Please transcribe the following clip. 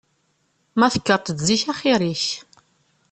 Ma tekkreḍ-d zik axir-ik.